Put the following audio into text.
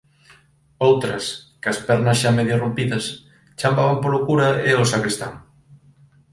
Outras, cas pernas xa medio rompidas, chamaban polo cura e o sancristán.